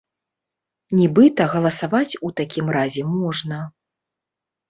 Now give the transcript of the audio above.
Нібыта галасаваць у такім разе можна.